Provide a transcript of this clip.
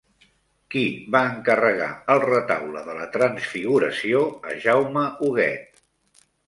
Qui va encarregar el Retaule de la Transfiguració a Jaume Huguet?